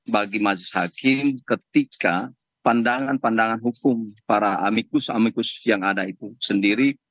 bagi majelis hakim ketika pandangan pandangan hukum para amikus amikus yang ada itu sendiri